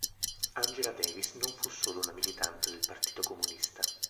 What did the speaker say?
Angela Davis non fu solo una militante del Partito comunista.